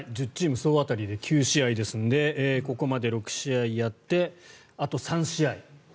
１０チーム総当たりで９試合ですのでここまで６試合やってあと３試合。